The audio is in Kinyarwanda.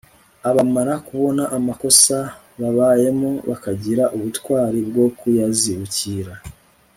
abamara kubona amakosa babayemo bakagira ubutwari bwo kuyazibukira